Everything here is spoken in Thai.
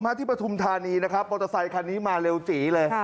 ที่ปฐุมธานีนะครับมอเตอร์ไซคันนี้มาเร็วจีเลย